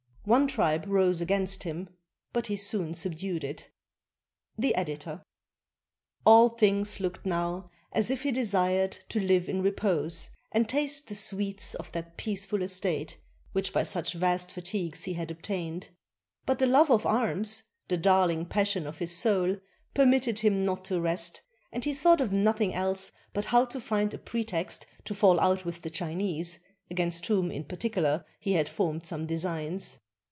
One tribe rose against him, but he soon ^^^^^^^^' The Editor.] All things looked now as if he desired to live in repose and taste the sweets of that peaceful estate which by such vast fatigues he had obtained ; but the love of arms, the darling passion of his soul, permitted him not to rest, and he thought of nothing else but how to find a pretext to fall out with the Chinese, against whom in particular he had formed some designs.